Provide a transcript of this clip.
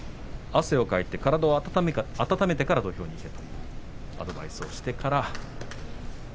汗をかいて、体を温めてから土俵に上がれとアドバイスをしてから。